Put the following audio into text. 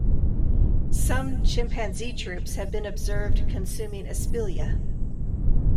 Some chimpanzee troupes have been observed consuming aspilia.